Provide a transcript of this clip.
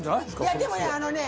平野：でもね、あのね